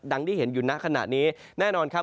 ที่เห็นอยู่ณขณะนี้แน่นอนครับ